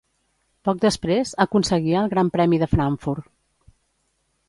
Poc després aconseguia el Gran Premi de Frankfurt.